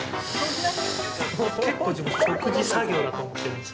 結構、自分、食事を作業だと思ってるんです。